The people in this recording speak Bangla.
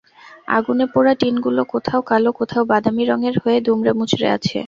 আগুনে পোড়া টিনগুলো কোথাও কালো, কোথাও বাদামি রঙের হয়ে দুমড়ে-মুচড়ে আছে।